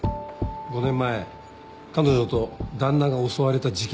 ５年前彼女と旦那が襲われた事件。